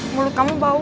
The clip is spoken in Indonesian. mulut kamu bau